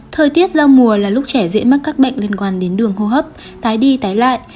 thời tiết giao mùa là lúc trẻ dễ mắc các bệnh liên quan đến đường hô hấp tái đi tái lại